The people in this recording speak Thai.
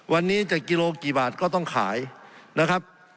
วันนี้จะกิโลกี่บาทก็ต้องขายนะครับ